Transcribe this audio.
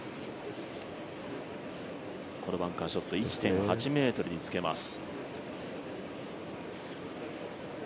このバンカーショット１．８ｍにつけます。